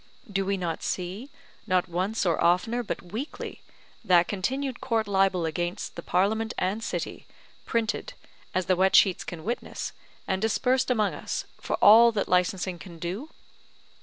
Do we not see, not once or oftener, but weekly, that continued court libel against the Parliament and City, printed, as the wet sheets can witness, and dispersed among us, for all that licensing can do?